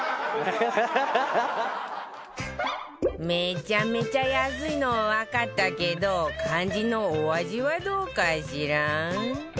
めちゃめちゃ安いのはわかったけど肝心のお味はどうかしら？